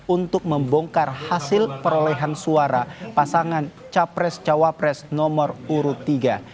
untuk membongkar hasil perolehan suara pasangan capres cawapres nomor urut tiga